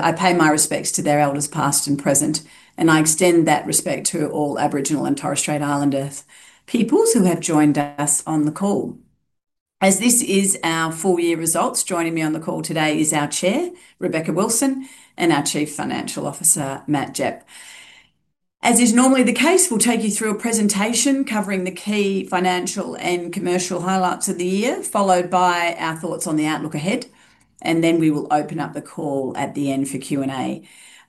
I pay my respects to their elders past and present, and I extend that respect to all Aboriginal and Torres Strait Islander peoples who have joined us on the call. As this is our full year results, joining me on the call today is our Chair, Rebecca Wilson, and our Chief Financial Officer, Matt Gepp. As is normally the case, we'll take you through a presentation covering the key financial and commercial highlights of the year, followed by our thoughts on the outlook ahead, and then we will open up the call at the end for Q&A.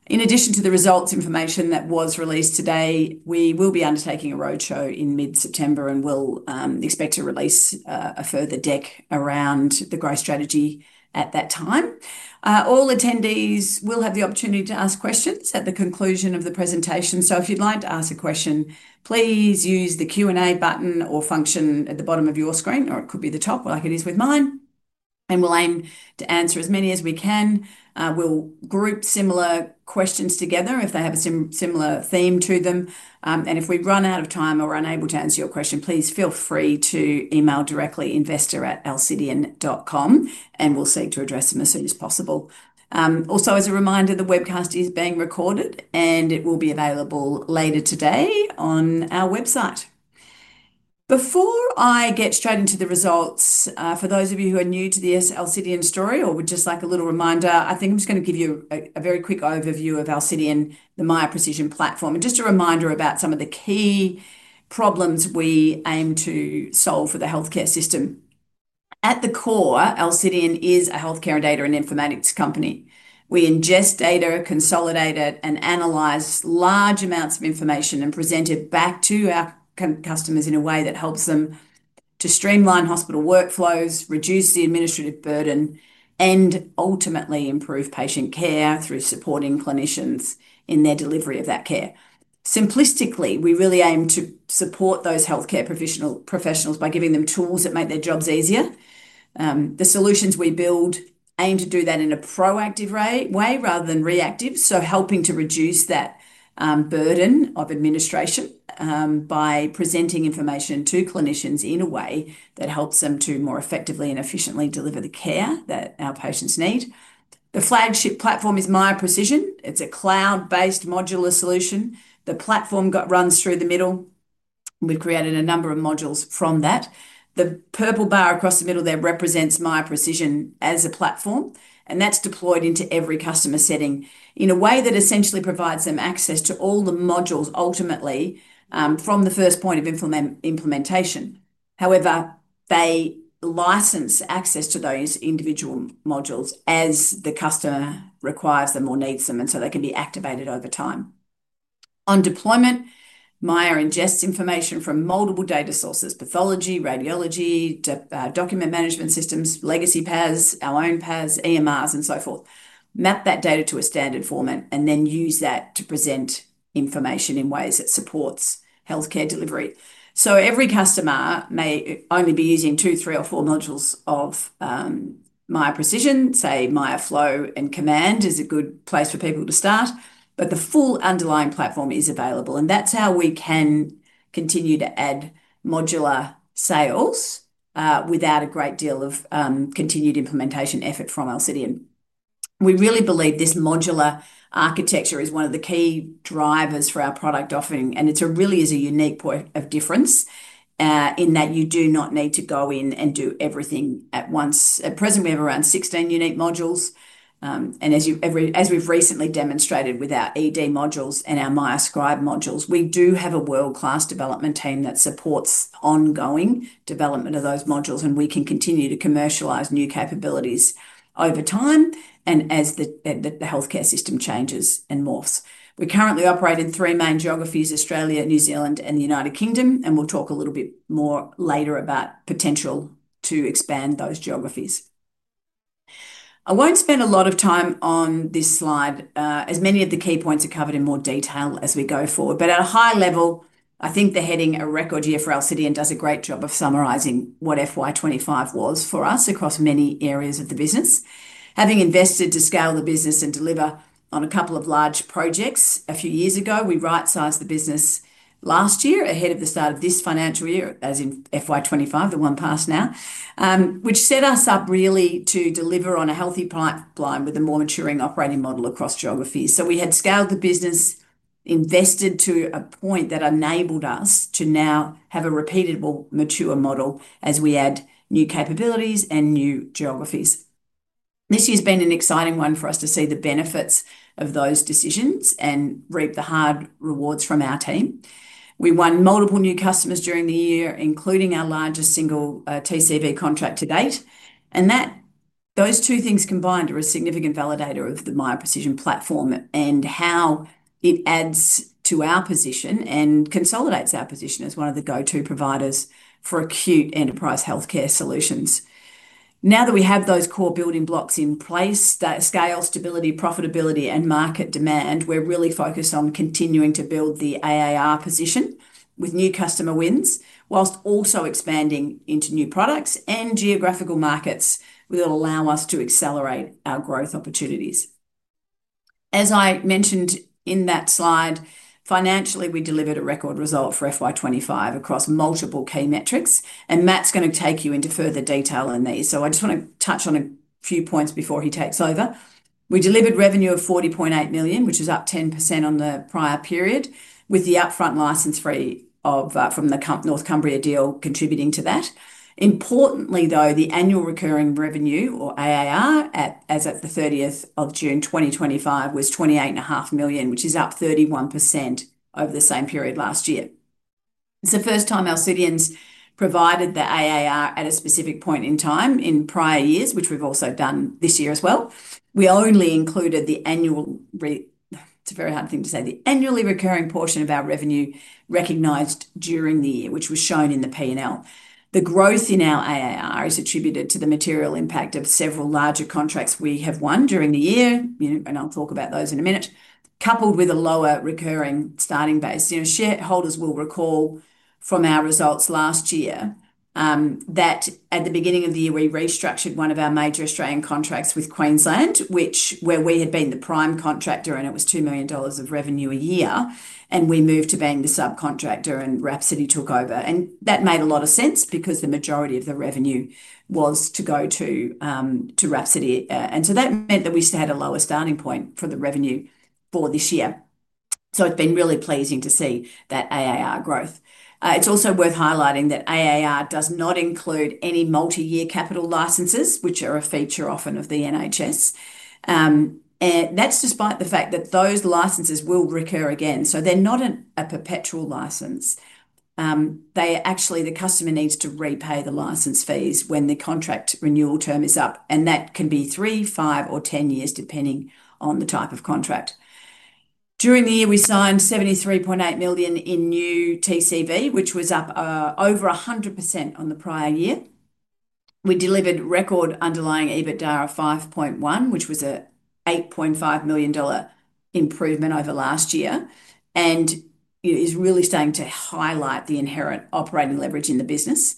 In addition to the results information that was released today, we will be undertaking a roadshow in mid-September and will expect to release a further deck around the growth strategy at that time. All attendees will have the opportunity to ask questions at the conclusion of the presentation. If you'd like to ask a question, please use the Q&A button or function at the bottom of your screen, or it could be the top like it is with mine, and we'll aim to answer as many as we can. We'll group similar questions together if they have a similar theme to them, and if we run out of time or are unable to answer your question, please feel free to email directly investor@alcidion.com, and we'll seek to address them as soon as possible. Also, as a reminder, the webcast is being recorded, and it will be available later today on our website. Before I get straight into the results, for those of you who are new to the Alcidion story or would just like a little reminder, I think I'm just going to give you a very quick overview of Alcidion, the Miya Precision platform, and just a reminder about some of the key problems we aim to solve for the healthcare system. At the core, Alcidion is a healthcare and data and informatics company. We ingest data, consolidate it, and analyze large amounts of information and present it back to our customers in a way that helps them to streamline hospital workflows, reduce the administrative burden, and ultimately improve patient care through supporting clinicians in their delivery of that care. Simplistically, we really aim to support those healthcare professionals by giving them tools that make their jobs easier. The solutions we build aim to do that in a proactive way rather than reactive, helping to reduce that burden of administration by presenting information to clinicians in a way that helps them to more effectively and efficiently deliver the care that our patients need. The flagship platform is Miya Precision. It's a cloud-based modular solution. The platform runs through the middle. We've created a number of modules from that. The purple bar across the middle there represents Miya Precision as a platform, and that's deployed into every customer setting in a way that essentially provides them access to all the modules ultimately from the first point of implementation. However, they license access to those individual modules as the customer requires them or needs them, and they can be activated over time. On deployment, Miya ingests information from multiple data sources, pathology, radiology, document management systems, legacy PAS, our own PAS, EMRs, and so forth, map that data to a standard format, and then use that to present information in ways that support healthcare delivery. Every customer may only be using two, three, or four modules of Miya Precision. Miya Flow and Command is a good place for people to start, but the full underlying platform is available, and that's how we can continue to add modular sales without a great deal of continued implementation effort from Alcidion. We really believe this modular architecture is one of the key drivers for our product offering, and it really is a unique point of difference in that you do not need to go in and do everything at once. At present, we have around 16 unique modules, and as we've recently demonstrated with our ED modules and our Miya Scribe modules, we do have a world-class development team that supports ongoing development of those modules, and we can continue to commercialize new capabilities over time and as the healthcare system changes and morphs. We currently operate in three main geographies: Australia, New Zealand, and the United Kingdom, and we'll talk a little bit more later about potential to expand those geographies. I won't spend a lot of time on this slide as many of the key points are covered in more detail as we go forward, but at a high level, I think the heading "A Record Year for Alcidion" does a great job of summarizing what FY 2025 was for us across many areas of the business. Having invested to scale the business and deliver on a couple of large projects a few years ago, we right-sized the business last year ahead of the start of this financial year, as in FY 2025, the one past now, which set us up really to deliver on a healthy pipeline with a more maturing operating model across geographies. We had scaled the business, invested to a point that enabled us to now have a repeatable mature model as we add new capabilities and new geographies. This year's been an exciting one for us to see the benefits of those decisions and reap the hard rewards from our team. We won multiple new customers during the year, including our largest single TCV contract to date, and those two things combined are a significant validator of the Miya Precision platform and how it adds to our position and consolidates our position as one of the go-to providers for acute enterprise healthcare solutions. Now that we have those core building blocks in place, scale, stability, profitability, and market demand, we're really focused on continuing to build the ARR position with new customer wins, whilst also expanding into new products and geographical markets that will allow us to accelerate our growth opportunities. As I mentioned in that slide, financially we delivered a record result for FY 2025 across multiple key metrics, and Matt's going to take you into further detail on these. I just want to touch on a few points before he takes over. We delivered revenue of $40.8 million, which was up 10% on the prior period, with the upfront license fee from the North Cumbria deal contributing to that. Importantly, though, the annual recurring revenue, or ARR, as at the 30th of June 2025 was $28.5 million, which is up 31% over the same period last year. It's the first time Alcidion's provided the ARR at a specific point in time in prior years, which we've also done this year as well. We only included the annual, it's a very hard thing to say, the annually recurring portion of our revenue recognized during the year, which was shown in the P&L. The growth in our ARR is attributed to the material impact of several larger contracts we have won during the year, and I'll talk about those in a minute, coupled with a lower recurring starting base. Shareholders will recall from our results last year that at the beginning of the year we restructured one of our major Australian contracts with Queensland, where we had been the prime contractor and it was $2 million of revenue a year, and we moved to being the subcontractor and Reef City took over. That made a lot of sense because the majority of the revenue was to go to Reef City, and that meant that we had a lower starting point for the revenue for this year. It's been really pleasing to see that ARR growth. It's also worth highlighting that ARR does not include any multi-year capital licenses, which are a feature often of the NHS. That's despite the fact that those licenses will recur again. They're not a perpetual license. The customer needs to repay the license fees when the contract renewal term is up, and that can be three, five, or ten years, depending on the type of contract. During the year, we signed $73.8 million in new TCV, which was up over 100% on the prior year. We delivered record underlying EBITDA of $5.1 million, which was an $8.5 million improvement over last year, and it is really starting to highlight the inherent operating leverage in the business.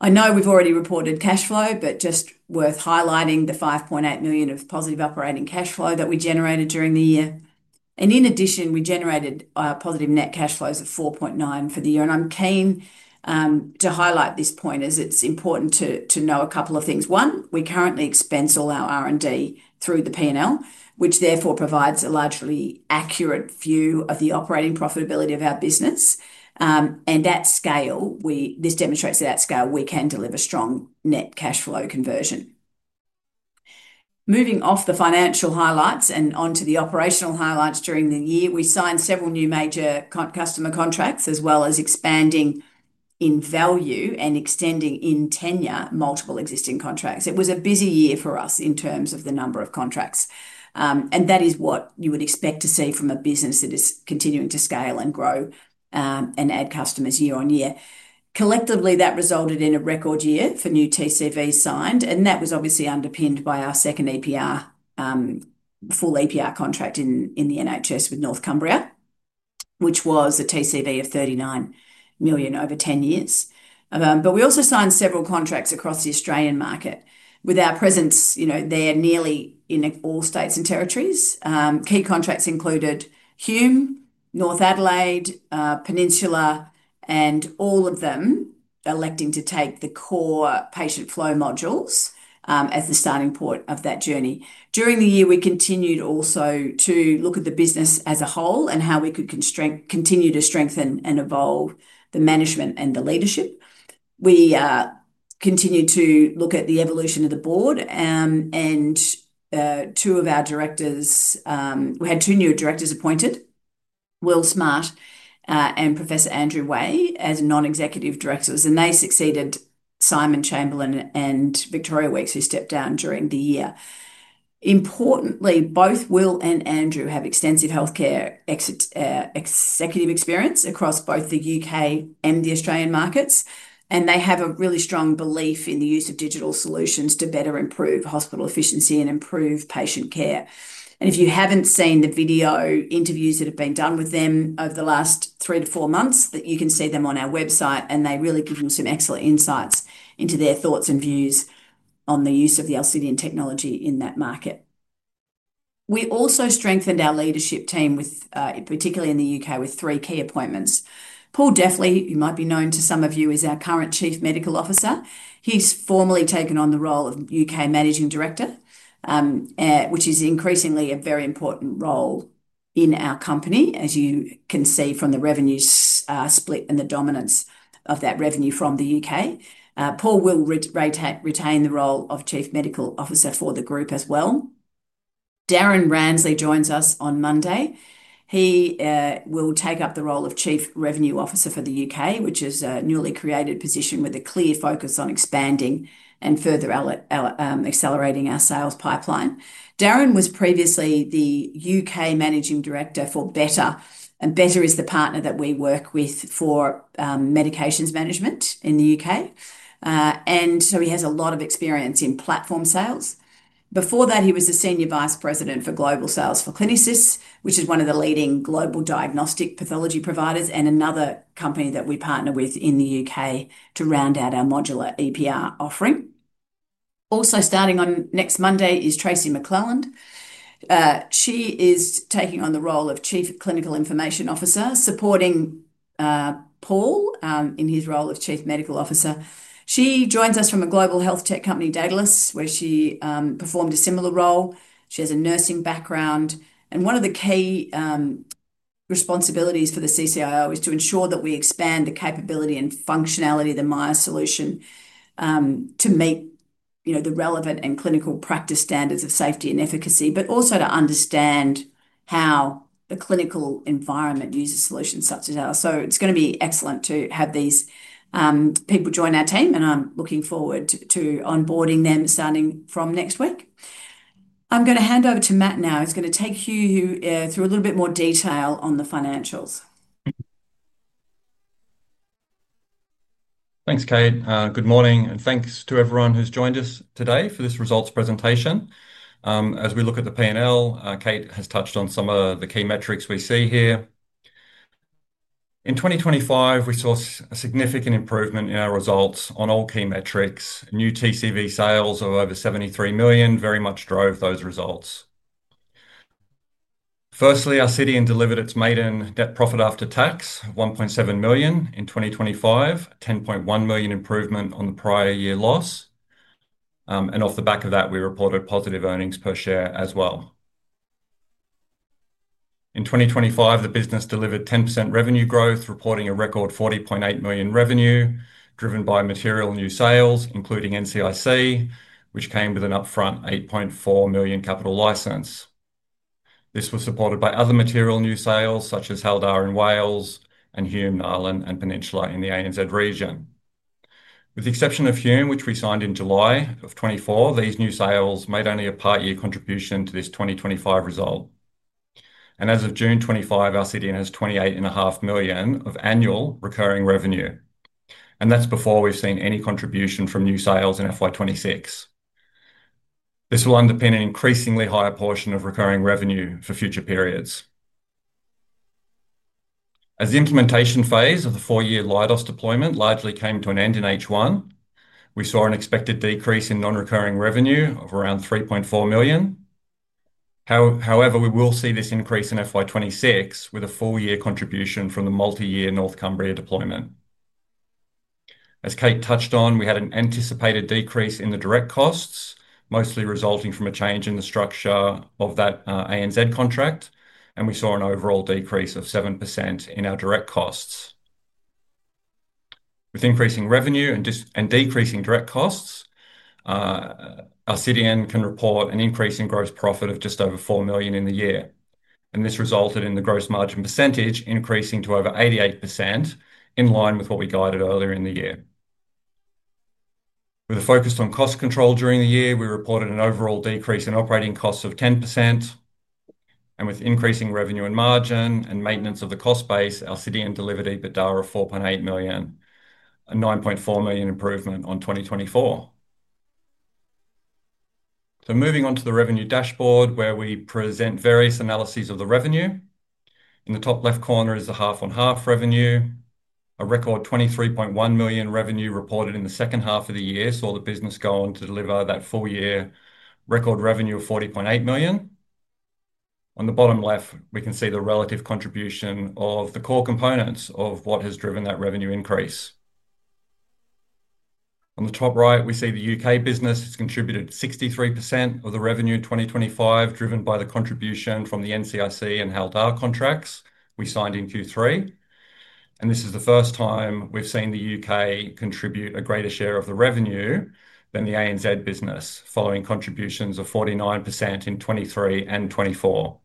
I know we've already reported cash flow, but it's worth highlighting the $5.8 million of positive operating cash flow that we generated during the year. In addition, we generated positive net cash flows of $4.9 million for the year, and I'm keen to highlight this point as it's important to know a couple of things. One, we currently expense all our R&D through the P&L, which therefore provides a largely accurate view of the operating profitability of our business, and at scale, this demonstrates that at scale we can deliver strong net cash flow conversion. Moving off the financial highlights and onto the operational highlights during the year, we signed several new major customer contracts, as well as expanding in value and extending in tenure multiple existing contracts. It was a busy year for us in terms of the number of contracts, and that is what you would expect to see from a business that is continuing to scale and grow and add customers year on year. Collectively, that resulted in a record year for new TCV signed, and that was obviously underpinned by our second full APR contract in the NHS with North Cumbria, which was a TCV of $39 million over 10 years. We also signed several contracts across the Australian market. With our presence there nearly in all states and territories, key contracts included Hume, North Adelaide, Peninsula, and all of them electing to take the core patient flow modules as the starting point of that journey. During the year, we continued also to look at the business as a whole and how we could continue to strengthen and evolve the management and the leadership. We continued to look at the evolution of the board, and two of our directors, we had two new directors appointed, Will Smart and Professor Andrew Way, as Non-Executive Directors, and they succeeded Simon Chamberlain and Victoria Weekes, who stepped down during the year. Importantly, both Will and Andrew have extensive healthcare executive experience across both the U.K. and the Australian markets, and they have a really strong belief in the use of digital solutions to better improve hospital efficiency and improve patient care. If you haven't seen the video interviews that have been done with them over the last three to four months, you can see them on our website, and they really give you some excellent insights into their thoughts and views on the use of the Alcidion technology in that market. We also strengthened our leadership team, particularly in the U.K., with three key appointments. Paul Deffley, who might be known to some of you, is our current Chief Medical Officer. He's formally taken on the role of UK Managing Director, which is increasingly a very important role in our company, as you can see from the revenue split and the dominance of that revenue from the U.K. Paul will retain the role of Chief Medical Officer for the group as well. Darren Ransley joins us on Monday. He will take up the role of Chief Revenue Officer for the U.K., which is a newly created position with a clear focus on expanding and further accelerating our sales pipeline. Darren was previously the UK Managing Director for Better, and Better is the partner that we work with for medications management in the U.K., and so he has a lot of experience in platform sales. Before that, he was the Senior Vice President for Global Sales for Clinisys, which is one of the leading global diagnostic pathology providers and another company that we partner with in the U.K. to round out our modular APR offering. Also starting on next Monday is Tracy McClelland. She is taking on the role of Chief Clinical Information Officer, supporting Paul in his role of Chief Medical Officer. She joins us from a global health tech company, Dedalus, where she performed a similar role. She has a nursing background, and one of the key responsibilities for the CCIO is to ensure that we expand the capability and functionality of the Miya solution to meet the relevant and clinical practice standards of safety and efficacy, but also to understand how the clinical environment uses solutions such as ours. It's going to be excellent to have these people join our team, and I'm looking forward to onboarding them starting from next week. I'm going to hand over to Matt now, who's going to take you through a little bit more detail on the financials. Thanks, Kate. Good morning, and thanks to everyone who's joined us today for this results presentation. As we look at the P&L, Kate has touched on some of the key metrics we see here. In 2025, we saw a significant improvement in our results on all key metrics. New TCV sales of over $73 million very much drove those results. Firstly, Alcidion delivered its maiden net profit after tax, $1.7 million in 2025, a $10.1 million improvement on the prior year loss, and off the back of that, we reported positive earnings per share as well. In 2025, the business delivered 10% revenue growth, reporting a record $40.8 million revenue driven by material new sales, including NCIC, which came with an upfront $8.4 million capital license. This was supported by other material new sales, such as Hywel Dda in Wales and Hume, Adelaine and Peninsula in the ANZ region. With the exception of Hume, which we signed in July of 2024, these new sales made only a part-year contribution to this 2025 result. As of June 25, Alcidion has $28.5 million of annual recurring revenue, and that's before we've seen any contribution from new sales in FY 2026. This will underpin an increasingly higher portion of recurring revenue for future periods. As the implementation phase of the four-year Leidos deployment largely came to an end in H1, we saw an expected decrease in non-recurring revenue of around $3.4 million. However, we will see this increase in FY 2026 with a full-year contribution from the multi-year North Cumbria deployment. As Kate touched on, we had an anticipated decrease in the direct costs, mostly resulting from a change in the structure of that ANZ contract, and we saw an overall decrease of 7% in our direct costs. With increasing revenue and decreasing direct costs, Alcidion can report an increase in gross profit of just over $4 million in the year, and this resulted in the gross margin percentage increasing to over 88% in line with what we guided earlier in the year. With a focus on cost control during the year, we reported an overall decrease in operating costs of 10%, and with increasing revenue and margin and maintenance of the cost base, Alcidion delivered EBITDA of $4.8 million, a $9.4 million improvement on 2024. Moving on to the revenue dashboard, where we present various analyses of the revenue, in the top left corner is the half-on-half revenue. A record $23.1 million revenue reported in the second half of the year saw the business go on to deliver that full-year record revenue of $40.8 million. On the bottom left, we can see the relative contribution of the core components of what has driven that revenue increase. On the top right, we see the U.K. business has contributed 63% of the revenue in 2025, driven by the contribution from the NCIC and Hywel Dda contracts we signed in Q3. This is the first time we've seen the U.K. contribute a greater share of the revenue than the ANZ business, following contributions of 49% in 2023 and 2024.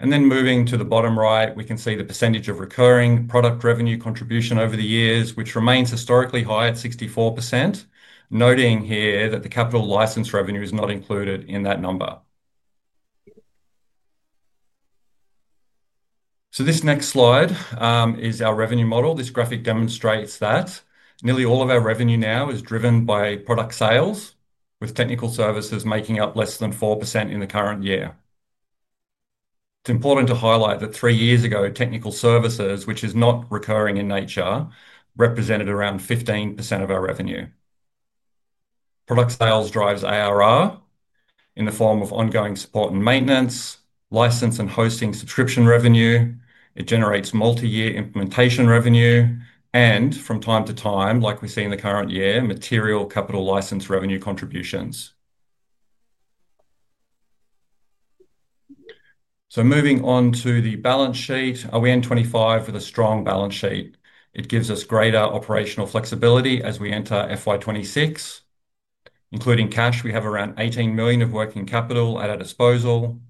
Moving to the bottom right, we can see the percentage of recurring product revenue contribution over the years, which remains historically high at 64%, noting here that the capital license revenue is not included in that number. This next slide is our revenue model. This graphic demonstrates that nearly all of our revenue now is driven by product sales, with technical services making up less than 4% in the current year. It's important to highlight that three years ago, technical services, which is not recurring in nature, represented around 15% of our revenue. Product sales drives annual recurring revenue (ARR) in the form of ongoing support and maintenance, license and hosting subscription revenue. It generates multi-year implementation revenue, and from time to time, like we see in the current year, material capital license revenue contributions. Moving on to the balance sheet, are we in 2025 with a strong balance sheet? It gives us greater operational flexibility as we enter FY 2026. Including cash, we have around $18 million of working capital at our disposal.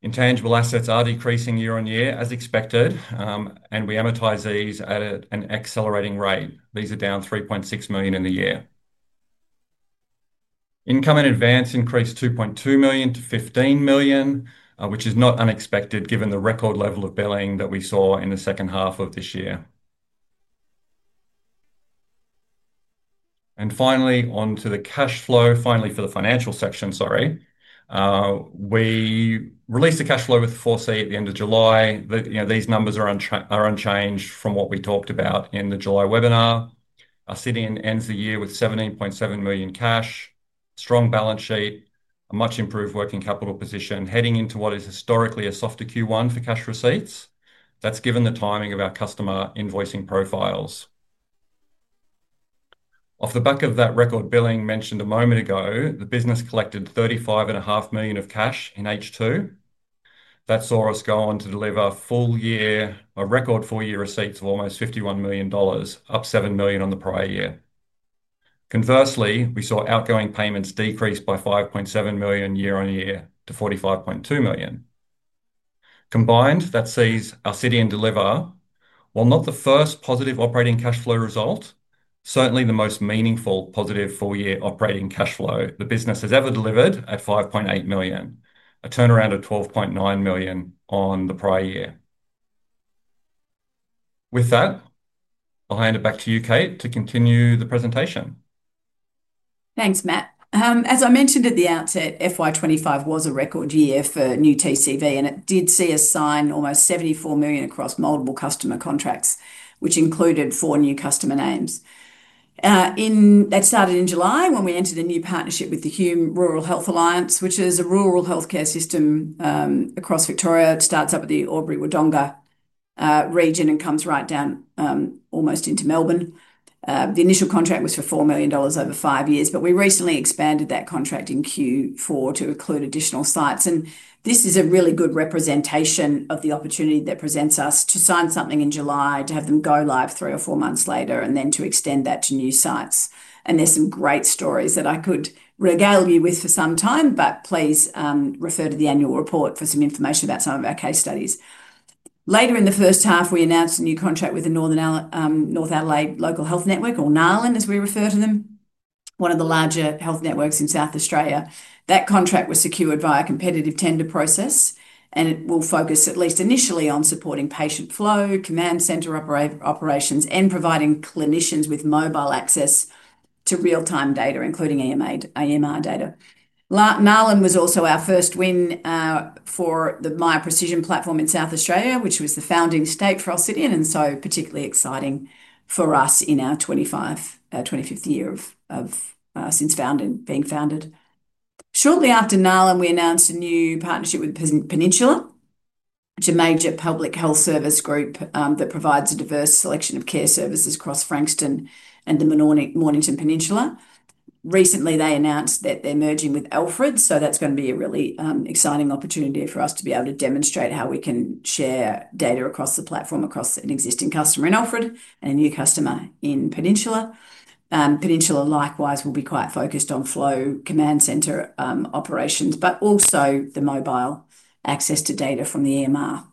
Intangible assets are decreasing year on year as expected, and we amortize these at an accelerating rate. These are down $3.6 million in the year. Income in advance increased $2.2 million to $15 million, which is not unexpected given the record level of billing that we saw in the second half of this year. Finally, onto the cash flow, finally for the financial section, sorry, we released the cash flow with a foresee at the end of July. These numbers are unchanged from what we talked about in the July webinar. Alcidion ends the year with $17.7 million cash, strong balance sheet, a much improved working capital position, heading into what is historically a softer Q1 for cash receipts. That's given the timing of our customer invoicing profiles. Off the back of that record billing mentioned a moment ago, the business collected $35.5 million of cash in H2. That saw us go on to deliver, for the full year, a record full year receipts of almost $51 million, up $7 million on the prior year. Conversely, we saw outgoing payments decrease by $5.7 million year on year to $45.2 million. Combined, that sees Alcidion deliver, while not the first positive operating cash flow result, certainly the most meaningful positive full year operating cash flow the business has ever delivered at $5.8 million, a turnaround of $12.9 million on the prior year. With that, I'll hand it back to you, Kate, to continue the presentation. Thanks, Matt. As I mentioned at the outset, FY 2025 was a record year for new TCV, and it did see us sign almost $74 million across multiple customer contracts, which included four new customer names. That started in July when we entered a new partnership with the Hume Rural Health Alliance, which is a rural healthcare system across Victoria. It starts up at the Albury Wodonga region and comes right down almost into Melbourne. The initial contract was for $4 million over five years, but we recently expanded that contract in Q4 to include additional sites. This is a really good representation of the opportunity that presents us to sign something in July, to have them go live three or four months later, and then to extend that to new sites. There are some great stories that I could regale you with for some time, but please refer to the annual report for some information about some of our case studies. Later in the first half, we announced a new contract with the Northern Adelaide Local Health Network, or NAHLN, as we refer to them, one of the larger health networks in South Australia. That contract was secured via a competitive tender process, and it will focus at least initially on supporting patient flow, command centre operations, and providing clinicians with mobile access to real-time data, including EMR data. NAHLN was also our first win for the Miya Precision platform in South Australia, which was the founding state for Alcidion, and so particularly exciting for us in our 25th year since being founded. Shortly after NAHLN, we announced a new partnership with Peninsula, which is a major public health service group that provides a diverse selection of care services across Frankston and the Mornington Peninsula. Recently, they announced that they're merging with Alfred, so that's going to be a really exciting opportunity for us to be able to demonstrate how we can share data across the platform across an existing customer in Alfred and a new customer in Peninsula. Peninsula, likewise, will be quite focused on flow, command centre operations, but also the mobile access to data from the EMR.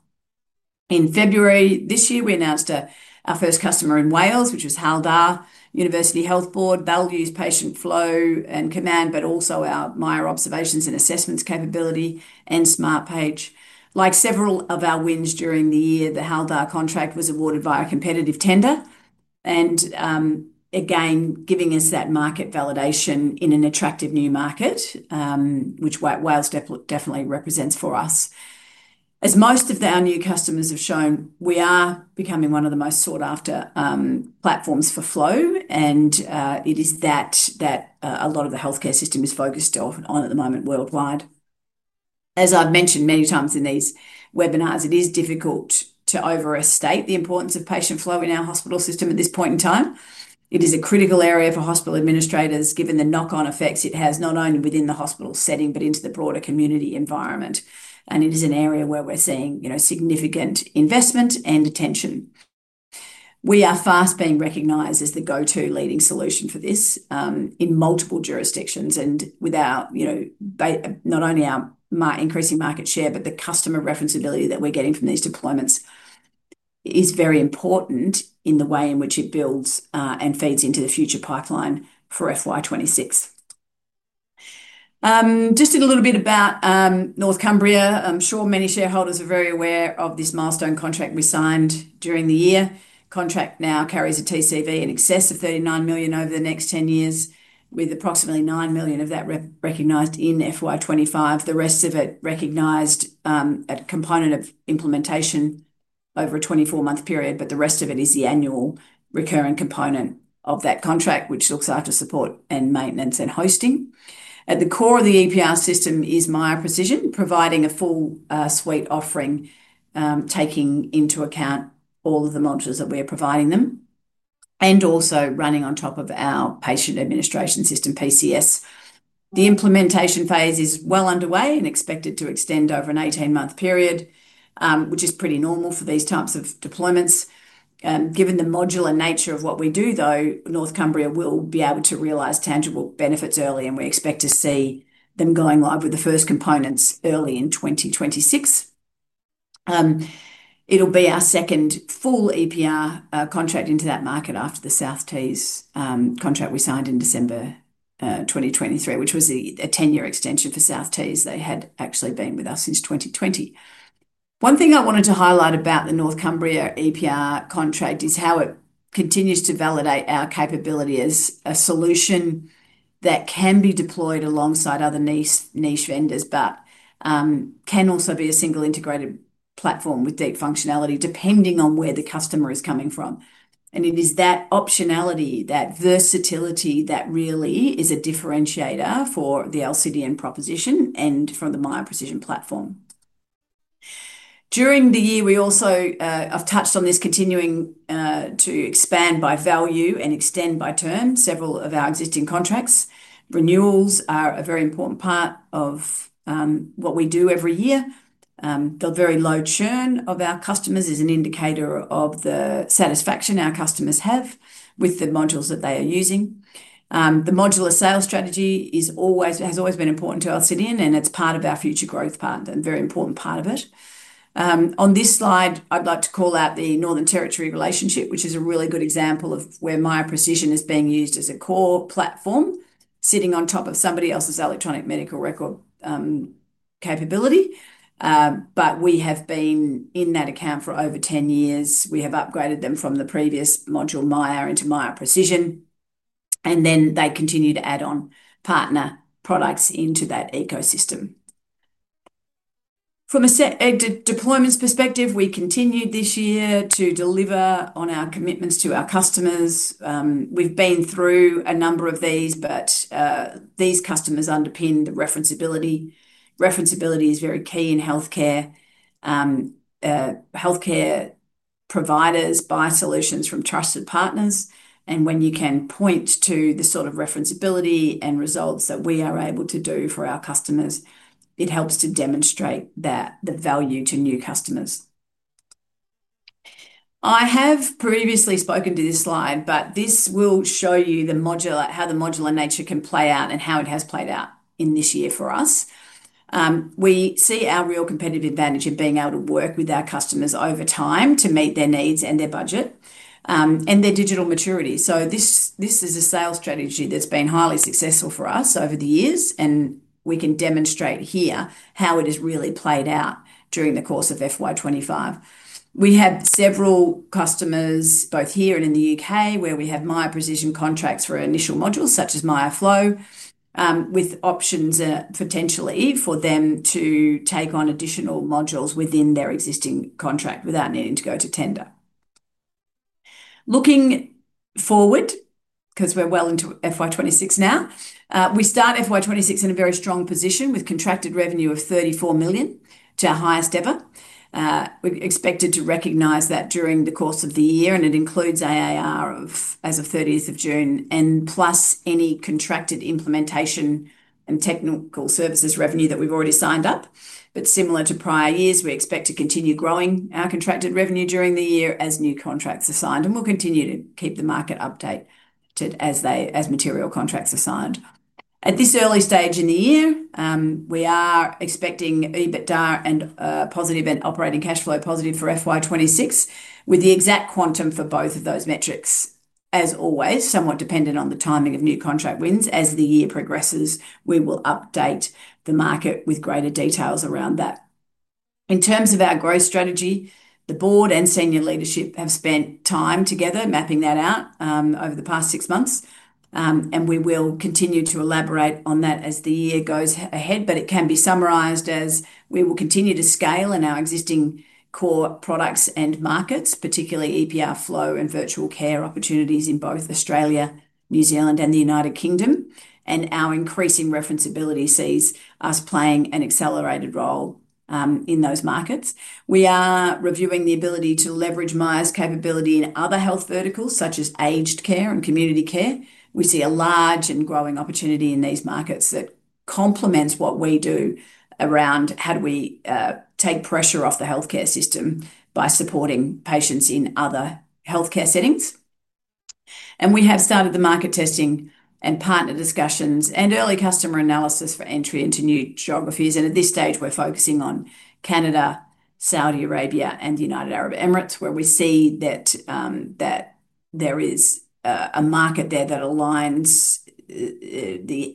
In February this year, we announced our first customer in Wales, which was Hywel Dda University Health Board, Bellevue's patient flow and command, but also our Miya Observations and assessments capability and Smartpage. Like several of our wins during the year, the Hywel Dda contract was awarded via a competitive tender, and again, giving us that market validation in an attractive new market, which Wales definitely represents for us. As most of our new customers have shown, we are becoming one of the most sought-after platforms for flow, and it is that that a lot of the healthcare system is focused on at the moment worldwide. As I've mentioned many times in these webinars, it is difficult to overstate the importance of patient flow in our hospital system at this point in time. It is a critical area for hospital administrators, given the knock-on effects it has not only within the hospital setting, but into the broader community environment, and it is an area where we're seeing significant investment and attention. We are fast being recognized as the go-to leading solution for this in multiple jurisdictions, and with not only our increasing market share, but the customer reference ability that we're getting from these deployments is very important in the way in which it builds and feeds into the future pipeline for FY 2026. Just in a little bit about North Cumbria, I'm sure many shareholders are very aware of this milestone contract we signed during the year. The contract now carries a TCV in excess of $39 million over the next 10 years, with approximately $9 million of that recognized in FY 2025. The rest of it recognized as a component of implementation over a 24-month period, but the rest of it is the annual recurring component of that contract, which looks after support and maintenance and hosting. At the core of the APR system is Miya Precision, providing a full suite offering, taking into account all of the modules that we're providing them, and also running on top of our patient administration system, Silverlink PCS. The implementation phase is well underway and expected to extend over an 18-month period, which is pretty normal for these types of deployments. Given the modular nature of what we do, though, North Cumbria will be able to realize tangible benefits early, and we expect to see them going live with the first components early in 2026. It'll be our second full APR contract into that market after the South Tees contract we signed in December 2023, which was a 10-year extension for South Tees. They had actually been with us since 2020. One thing I wanted to highlight about the North Cumbria APR contract is how it continues to validate our capability as a solution that can be deployed alongside other niche vendors, but can also be a single integrated platform with deep functionality, depending on where the customer is coming from. It is that optionality, that versatility, that really is a differentiator for the Alcidion proposition and for the Miya Precision platform. During the year, we also, I've touched on this, continued to expand by value and extend by term several of our existing contracts. Renewals are a very important part of what we do every year. The very low churn of our customers is an indicator of the satisfaction our customers have with the modules that they are using. The modular sales strategy has always been important to Alcidion, and it's part of our future growth path and a very important part of it. On this slide, I'd like to call out the Northern Territory relationship, which is a really good example of where Miya Precision is being used as a core platform, sitting on top of somebody else's electronic medical record capability. We have been in that account for over 10 years. We have upgraded them from the previous module, Miya, into Miya Precision, and then they continue to add on partner products into that ecosystem. From a deployment perspective, we continued this year to deliver on our commitments to our customers. We've been through a number of these, but these customers underpin the referenceability. Referenceability is very key in healthcare. Healthcare providers buy solutions from trusted partners, and when you can point to the sort of referenceability and results that we are able to do for our customers, it helps to demonstrate the value to new customers. I have previously spoken to this slide, but this will show you how the modular nature can play out and how it has played out in this year for us. We see our real competitive advantage in being able to work with our customers over time to meet their needs and their budget and their digital maturity. This is a sales strategy that's been highly successful for us over the years, and we can demonstrate here how it has really played out during the course of FY 2025. We have several customers, both here and in the U.K., where we have Miya Precision contracts for initial modules, such as Miya Flow, with options potentially for them to take on additional modules within their existing contract without needing to go to tender. Looking forward, because we're well into FY 2026 now, we start FY 2026 in a very strong position with contracted revenue of $34 million, which is our highest ever. We're expected to recognize that during the course of the year, and it includes ARR as of June 30, plus any contracted implementation and technical services revenue that we've already signed up. Similar to prior years, we expect to continue growing our contracted revenue during the year as new contracts are signed, and we'll continue to keep the market updated as material contracts are signed. At this early stage in the year, we are expecting EBITDA and positive operating cash flow for FY 2026, with the exact quantum for both of those metrics. As always, somewhat dependent on the timing of new contract wins, as the year progresses, we will update the market with greater details around that. In terms of our growth strategy, the Board and senior leadership have spent time together mapping that out over the past six months, and we will continue to elaborate on that as the year goes ahead, but it can be summarized as we will continue to scale in our existing core products and markets, particularly Miya Flow and virtual care opportunities in both Australia, New Zealand, and the United Kingdom, and our increasing referenceability sees us playing an accelerated role in those markets. We are reviewing the ability to leverage Miya's capability in other health verticals, such as aged care and community care. We see a large and growing opportunity in these markets that complements what we do around how do we take pressure off the healthcare system by supporting patients in other healthcare settings. We have started the market testing and partner discussions and early customer analysis for entry into new geographies, and at this stage, we're focusing on Canada, Saudi Arabia, and the United Arab Emirates, where we see that there is a market there that aligns,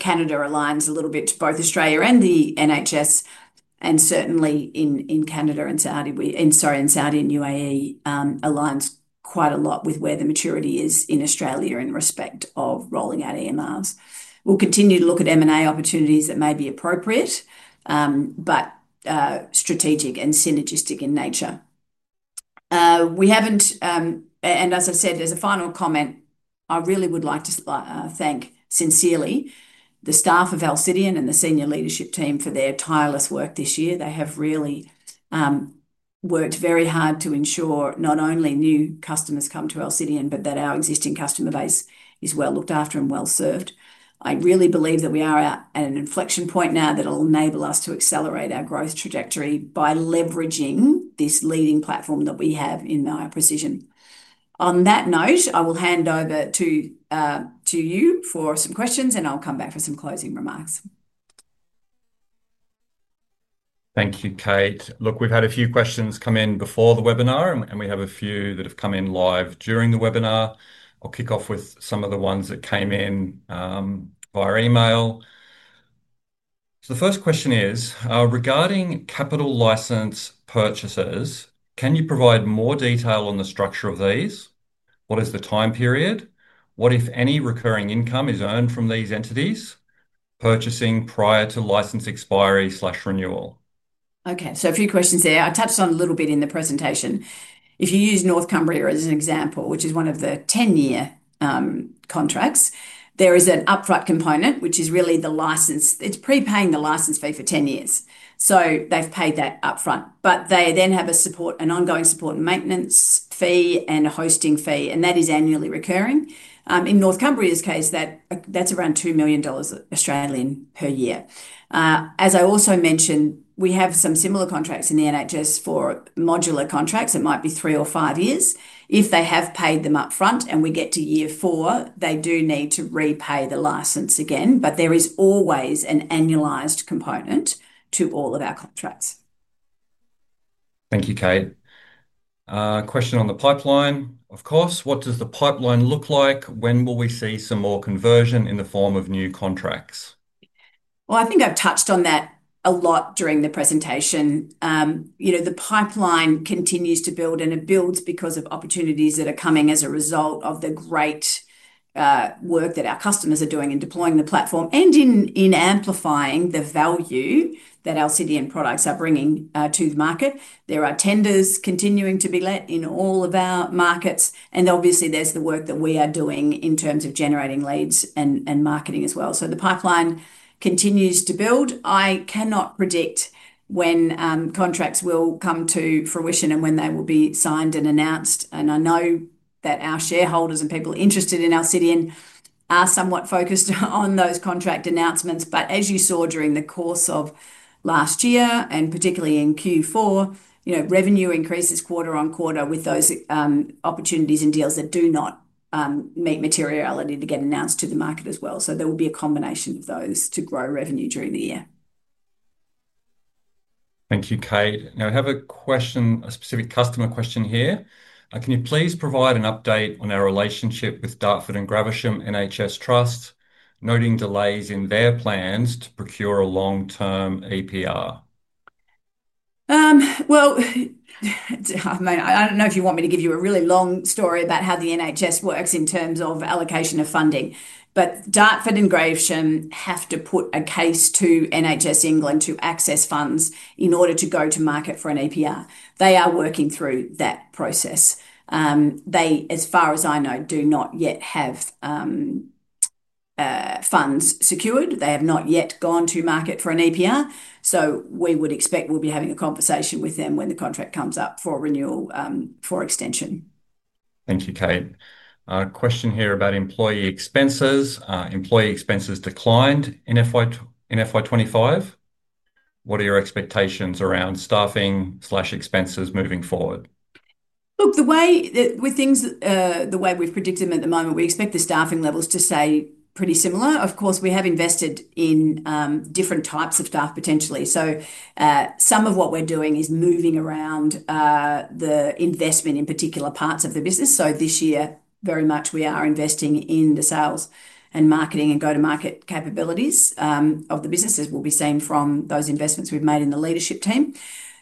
Canada aligns a little bit to both Australia and the NHS, and certainly in Canada and Saudi, and in Saudi and UAE, aligns quite a lot with where the maturity is in Australia in respect of rolling out EMRs. We'll continue to look at M&A opportunities that may be appropriate, but strategic and synergistic in nature. We haven't, and as I said, as a final comment, I really would like to thank sincerely the staff of Alcidion and the Senior Leadership Team for their tireless work this year. They have really worked very hard to ensure not only new customers come to Alcidion, but that our existing customer base is well looked after and well served. I really believe that we are at an inflection point now that will enable us to accelerate our growth trajectory by leveraging this leading platform that we have in Miya Precision. On that note, I will hand over to you for some questions, and I'll come back for some closing remarks. Thank you, Kate. Look, we've had a few questions come in before the webinar, and we have a few that have come in live during the webinar. I'll kick off with some of the ones that came in via email. The first question is, regarding capital license purchases, can you provide more detail on the structure of these? What is the time period? What, if any, recurring income is owned from these entities purchasing prior to license expiry/renewal? Okay, so a few questions there. I touched on a little bit in the presentation. If you use North Cumbria as an example, which is one of the 10-year contracts, there is an upfront component, which is really the license. It's prepaying the license fee for 10 years. They've paid that upfront, but they then have a support, an ongoing support and maintenance fee, and a hosting fee, and that is annually recurring. In North Cumbria's case, that's around $2 million Australian per year. As I also mentioned, we have some similar contracts in the NHS for modular contracts. It might be three or five years. If they have paid them upfront and we get to year four, they do need to repay the license again, but there is always an annualized component to all of our contracts. Thank you, Kate. Question on the pipeline. Of course, what does the pipeline look like? When will we see some more conversion in the form of new contracts? I think I've touched on that a lot during the presentation. You know, the pipeline continues to build, and it builds because of opportunities that are coming as a result of the great work that our customers are doing in deploying the platform and in amplifying the value that Alcidion products are bringing to the market. There are tenders continuing to be let in all of our markets, and obviously there's the work that we are doing in terms of generating leads and marketing as well. The pipeline continues to build. I cannot predict when contracts will come to fruition and when they will be signed and announced, and I know that our shareholders and people interested in Alcidion are somewhat focused on those contract announcements, but as you saw during the course of last year and particularly in Q4, you know, revenue increases quarter on quarter with those opportunities and deals that do not meet materiality to get announced to the market as well. There will be a combination of those to grow revenue during the year. Thank you, Kate. Now we have a question, a specific customer question here. Can you please provide an update on our relationship with Dartford and Gravesham NHS Trust, noting delays in their plans to procure a long-term APR? I don't know if you want me to give you a really long story about how the NHS works in terms of allocation of funding, but Dartford and Gravesham have to put a case to NHS England to access funds in order to go to market for an APR. They are working through that process. They, as far as I know, do not yet have funds secured. They have not yet gone to market for an APR, so we would expect we'll be having a conversation with them when the contract comes up for renewal for extension. Thank you, Kate. Question here about employee expenses. Employee expenses declined in FY 2025. What are your expectations around staffing/expenses moving forward? Look, the way we've predicted things at the moment, we expect the staffing levels to stay pretty similar. Of course, we have invested in different types of staff potentially, so some of what we're doing is moving around the investment in particular parts of the business. This year, very much we are investing in the sales and marketing and go-to-market capabilities of the business, as we'll be seeing from those investments we've made in the leadership team.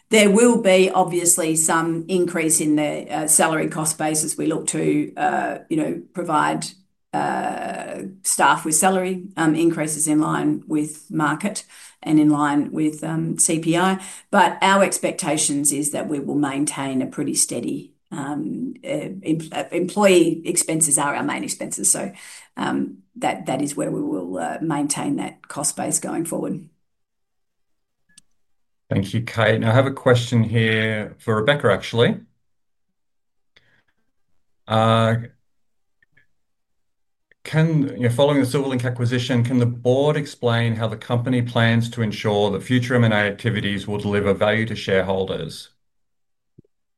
There will be obviously some increase in the salary cost base as we look to provide staff with salary increases in line with market and in line with CPI, but our expectations are that we will maintain a pretty steady employee expenses are our main expenses, so that is where we will maintain that cost base going forward. Thank you, Kate. Now I have a question here for Rebecca, actually. Following the Silverlink acquisition, can the board explain how the company plans to ensure that future M&A activities will deliver value to shareholders?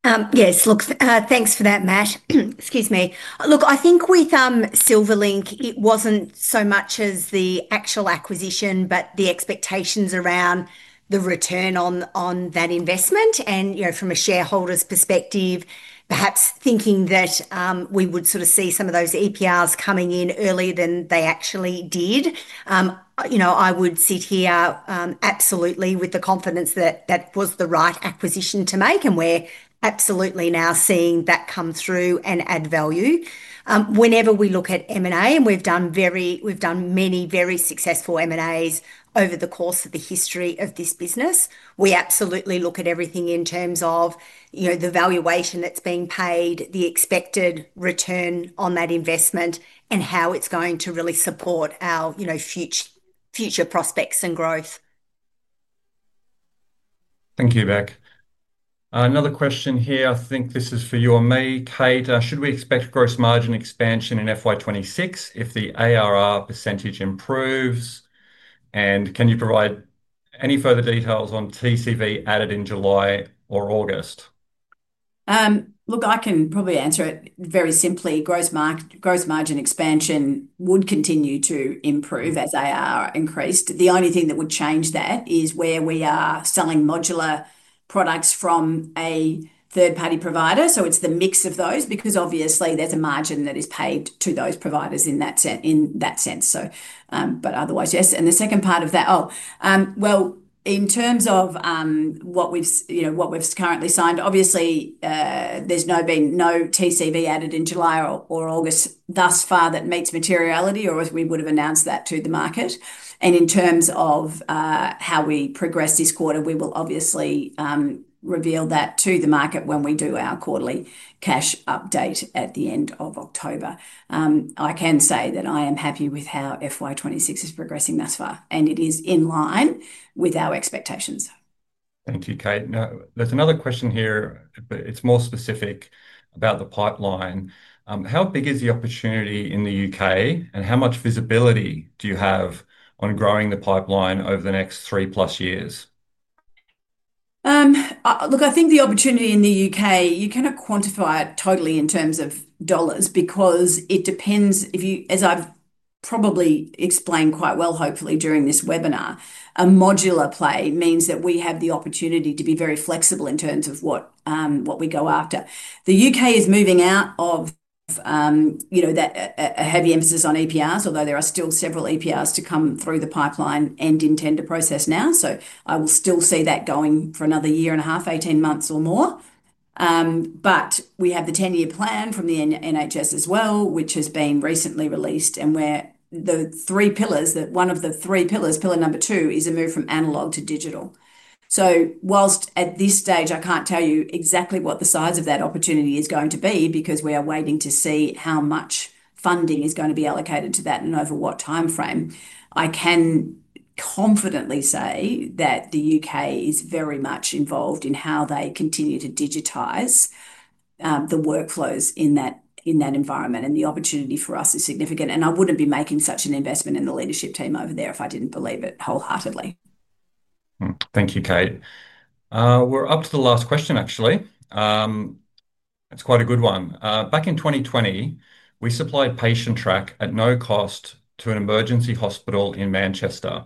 Yes, thanks for that, Matt. Excuse me. I think with Silverlink, it wasn't so much the actual acquisition, but the expectations around the return on that investment, and from a shareholder's perspective, perhaps thinking that we would see some of those ARR's coming in earlier than they actually did. I would sit here absolutely with the confidence that that was the right acquisition to make, and we're absolutely now seeing that come through and add value. Whenever we look at M&A, and we've done many very successful M&As over the course of the history of this business, we absolutely look at everything in terms of the valuation that's being paid, the expected return on that investment, and how it's going to really support our future prospects and growth. Thank you, Beck. Another question here, I think this is for you and me. Kate, should we expect gross margin expansion in FY 2026 if the ARR percentage improves, and can you provide any further details on TCV added in July or August? Look, I can probably answer it very simply. Gross margin expansion would continue to improve as ARR increased. The only thing that would change that is where we are selling modular products from a third-party provider, so it's the mix of those because obviously there's a margin that is paid to those providers in that sense. Otherwise, yes. The second part of that, in terms of what we've currently signed, obviously there's been no TCV added in July or August thus far that meets materiality or as we would have announced that to the market. In terms of how we progress this quarter, we will obviously reveal that to the market when we do our quarterly cash update at the end of October. I can say that I am happy with how FY 2026 is progressing thus far, and it is in line with our expectations. Thank you, Kate. Now there's another question here, but it's more specific about the pipeline. How big is the opportunity in the U.K., and how much visibility do you have on growing the pipeline over the next three plus years? Look, I think the opportunity in the U.K., you cannot quantify it totally in terms of dollars because it depends, as I've probably explained quite well, hopefully during this webinar, a modular play means that we have the opportunity to be very flexible in terms of what we go after. The U.K. is moving out of, you know, a heavy emphasis on APRs, although there are still several APRs to come through the pipeline and in tender process now. I will still see that going for another year and a half, 18 months or more. We have the 10-year plan from the NHS as well, which has been recently released, and where the three pillars, one of the three pillars, pillar number two, is a move from analog to digital. Whilst at this stage, I can't tell you exactly what the size of that opportunity is going to be because we are waiting to see how much funding is going to be allocated to that and over what timeframe. I can confidently say that the U.K. is very much involved in how they continue to digitise the workflows in that environment, and the opportunity for us is significant. I wouldn't be making such an investment in the leadership team over there if I didn't believe it wholeheartedly. Thank you, Kate. We're up to the last question, actually. It's quite a good one. Back in 2020, we supplied Patientrack at no cost to an emergency hospital in Manchester.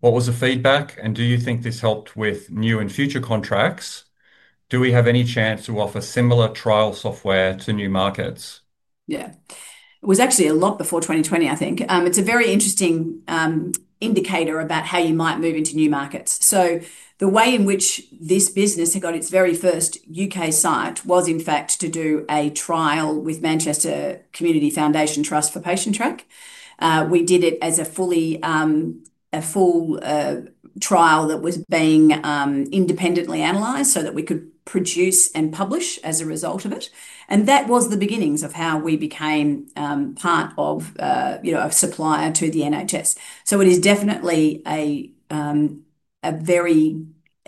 What was the feedback, and do you think this helped with new and future contracts? Do we have any chance to offer similar trial software to new markets? Yeah, it was actually a lot before 2020, I think. It's a very interesting indicator about how you might move into new markets. The way in which this business had got its very first U.K. site was, in fact, to do a trial with Manchester Community Foundation Trust for Patientrack. We did it as a full trial that was being independently analyzed so that we could produce and publish as a result of it, and that was the beginning of how we became part of, you know, a supplier to the NHS. It is definitely a very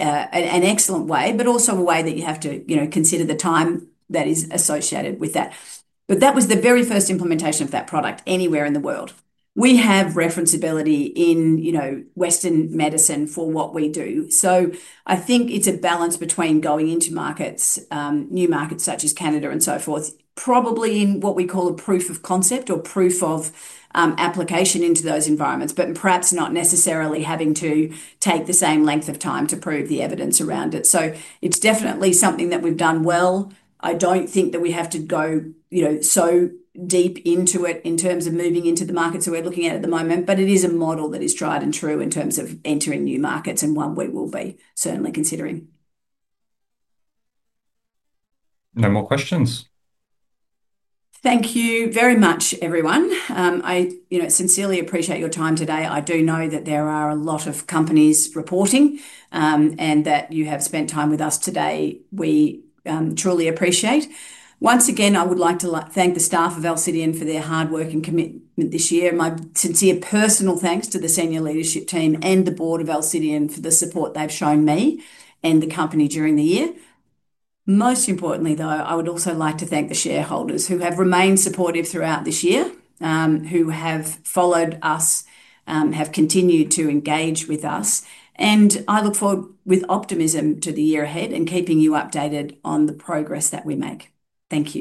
excellent way, but also a way that you have to, you know, consider the time that is associated with that. That was the very first implementation of that product anywhere in the world. We have referenceability in, you know, Western medicine for what we do, so I think it's a balance between going into markets, new markets such as Canada and so forth, probably in what we call a proof of concept or proof of application into those environments, but perhaps not necessarily having to take the same length of time to prove the evidence around it. It's definitely something that we've done well. I don't think that we have to go, you know, so deep into it in terms of moving into the markets that we're looking at at the moment, but it is a model that is tried and true in terms of entering new markets and one we will be certainly considering. No more questions. Thank you very much, everyone. I sincerely appreciate your time today. I do know that there are a lot of companies reporting and that you have spent time with us today. We truly appreciate it. Once again, I would like to thank the staff of Alcidion for their hard work and commitment this year. My sincere personal thanks to the Senior Leadership Team and the Board of Alcidion for the support they've shown me and the company during the year. Most importantly, though, I would also like to thank the shareholders who have remained supportive throughout this year, who have followed us, have continued to engage with us, and I look forward with optimism to the year ahead and keeping you updated on the progress that we make. Thank you.